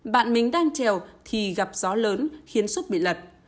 bạn mình đang trèo thì gặp gió lớn khiến xúc bị lật